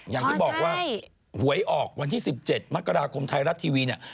อย่างที่บอกว่าหวยออกวันที่๑๗มกราคมไทยรัฐทีวีเนี่ย